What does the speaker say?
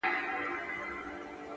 لوړ لید واړه خنډونه کوچني ښيي!